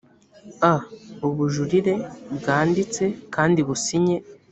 a ubujurire bwanditse kandi businye